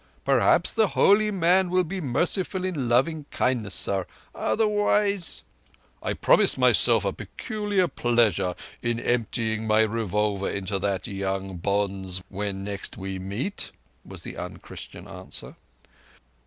"Perhaps the holy man will be merciful in loving kindness, sar, otherwise—" "I promise myself a peculiar pleasure in emptying my revolver into that young bonze when next we meet," was the unchristian answer.